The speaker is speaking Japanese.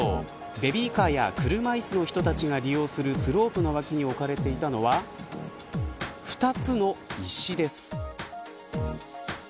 ベビーカーや車いすの人たちが利用するスロープの脇に置かれていたのは２つの石です。